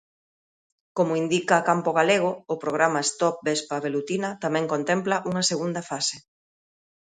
Como indica Campo Galego, o programa 'Stop Vespa Velutina' tamén contempla unha segunda fase.